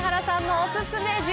おすすめ実